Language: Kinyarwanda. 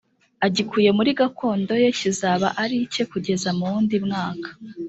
agikuye muri gakondo ye kizaba ari icye kugeza muwundi mwaka